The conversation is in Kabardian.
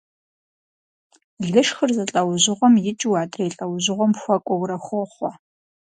Лышхыр зы лӀэужьыгъуэм икӀыу адрей лӀэужьыгъуэм хуэкӀуэурэ хохъуэ.